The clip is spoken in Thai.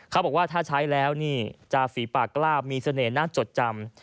เขาบอกว่าถ้าใช้แล้วนี่จะฝีปากกล้ามีเสน่หน่าจดจำ